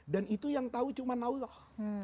dan itu yang tahu cuma allah